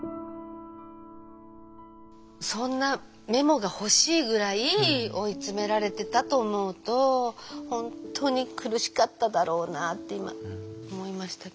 そんなメモが欲しいぐらい追い詰められてたと思うと本当に苦しかっただろうなって今思いましたけど。